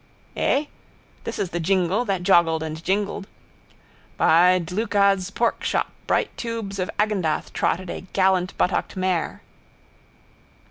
Eh? This is the jingle that joggled and jingled. By Dlugacz' porkshop bright tubes of Agendath trotted a gallantbuttocked mare.